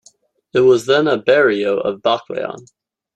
It was then a barrio of Baclayon.